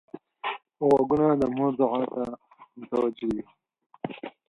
غوږونه د مور دعا ته متوجه وي